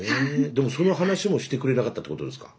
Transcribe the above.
でもその話もしてくれなかったってことですか。